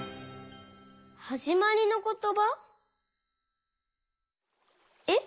はじまりのことば？えっ？